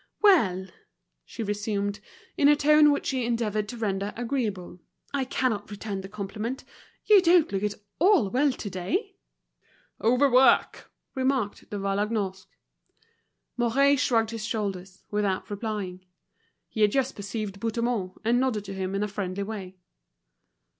"Well," she resumed, in a tone which she endeavoured to render agreeable, "I cannot return the compliment; you don't look at all well today." "Overwork!" remarked De Vallagnosc. Mouret shrugged his shoulders, without replying. He had just perceived Bouthemont, and nodded to him in a friendly way.